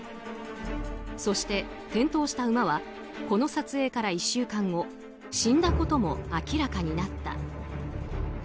そして、転倒した馬はこの撮影から１週間後死んだことも明らかになった。